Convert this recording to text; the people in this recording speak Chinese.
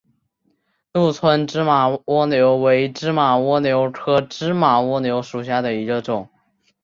鹿村芝麻蜗牛为芝麻蜗牛科芝麻蜗牛属下的一个种。